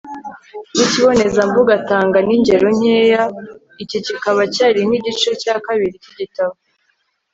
z'ikibonezamvugo atanga n'ingero nkeya. iki kikaba cyari nk'igice cya kabiri k'igitabo